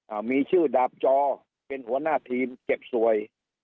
อ่ามีชื่อดาบจอเป็นหัวหน้าทีมเจ็บสวย